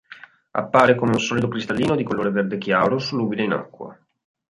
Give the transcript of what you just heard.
Appare come un solido cristallino di colore verde chiaro solubile in acqua.